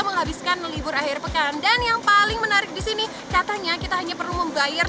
menghabiskan melibur akhir pekan dan yang paling menarik di sini katanya kita hanya perlu membayar